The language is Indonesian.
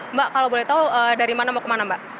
mbak kalau boleh tahu dari mana mau kemana mbak